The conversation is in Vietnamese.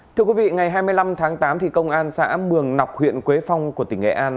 thưa quý vị ngày hai mươi năm tháng tám công an xã mường nọc huyện quế phong của tỉnh nghệ an